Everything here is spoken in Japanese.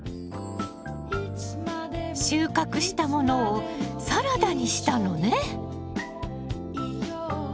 収穫したものをサラダにしたのね！